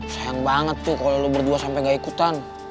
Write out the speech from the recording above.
sayang banget tuh kalo lo berdua sampe gak ikutan